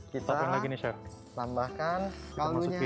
kita tambahkan kalunya